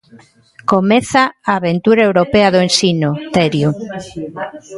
Comeza a aventura europea do Ensino, Terio.